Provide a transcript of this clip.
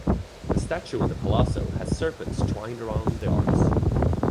The statue in the Palazzo has serpents twined around the arms.